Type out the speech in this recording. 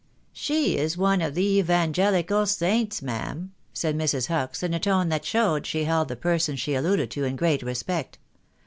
" She is one of the evangelical saints, ma'am," said Mrs. Hucks, in a tone that showed she held the persons she alluded to in great respect.